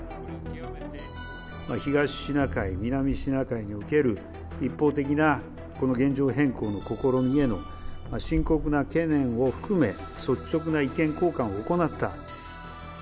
東シナ海、南シナ海における、一方的なこの現状変更の試みへの深刻な懸念を含め、率直な意見交換を行った。